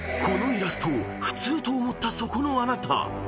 ［このイラストを普通と思ったそこのあなた］